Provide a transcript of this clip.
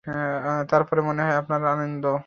তারপরেও মনে হয় আপনার আনন্দ আমি খানিকটা বুঝতে পারছি।